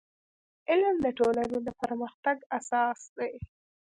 • علم د ټولنې د پرمختګ اساس دی.